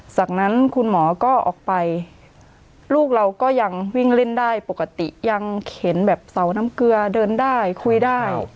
จากนั้นคุณหมอก็ออกไปลูกเราก็ยังวิ่งเล่นได้ปกติยังเข็นแบบเสาน้ำเกลือเดินได้คุยได้